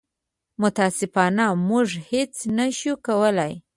متاسفانه موږ هېڅ نه شو کولی.